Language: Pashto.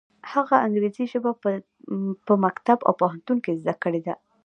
هغه انګریزي ژبه یې په مکتب او پوهنتون کې زده کړې ده.